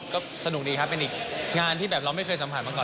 ก็สนุกดีครับเป็นอีกงานที่แบบเราไม่เคยสัมผัสมาก่อน